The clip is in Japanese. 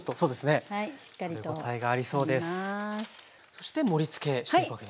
そして盛りつけしていくわけですね。